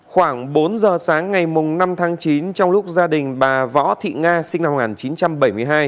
khoảng bốn giờ sáng ngày năm tháng chín trong lúc gia đình bà võ thị nga sinh năm một nghìn chín trăm bảy mươi hai